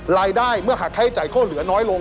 รายได้เมื่อหาค่าใช้จ่ายข้อเหลือน้อยลง